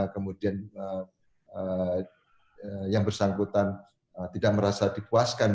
kemudian yang bersangkutan tidak merasa dipuaskan